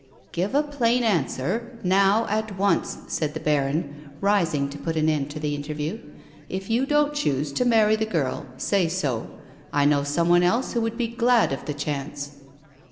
" Give a plain answer, now at once," said the baron, rising to put an end to the interview. " If you don't choose to marry the girl, say so. I know someone else who would be glad of the chance."